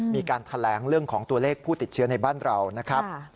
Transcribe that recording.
มีการแถลงเรื่องของตัวเลขผู้ติดเชื้อในบ้านเรานะครับ